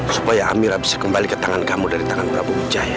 supaya amira bisa kembali ke tangan kamu dari tangan prabu wijaya